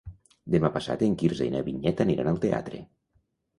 Demà passat en Quirze i na Vinyet aniran al teatre.